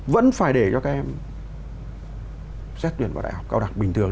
vẫn phải để cho các em xét tuyển vào đại học cao đẳng bình thường